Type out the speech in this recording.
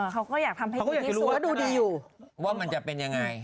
เขาก็อยากทำให้รู้สึกว่าดูดีอยู่ว่ามันจะเป็นยังไง